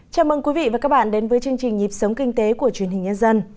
chào mừng quý vị và các bạn đến với chương trình nhịp sống kinh tế của truyền hình nhân dân